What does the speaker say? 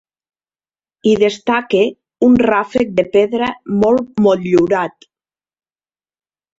Hi destaca un ràfec de pedra molt motllurat.